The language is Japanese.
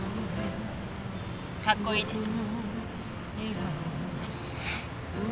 かっこいいです。